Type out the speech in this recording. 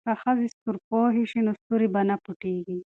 که ښځې ستورپوهې وي نو ستوري به نه پټیږي.